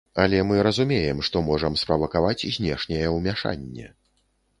Але мы разумеем, што можам справакаваць знешняе ўмяшанне.